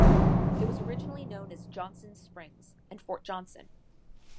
It was originally known as Johnson's Springs and Fort Johnson.